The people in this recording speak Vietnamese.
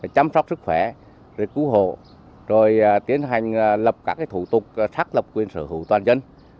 chăm sóc sức khỏe cứu hộ rồi tiến hành lập các thủ tục xác lập quyền sở hữu toàn dân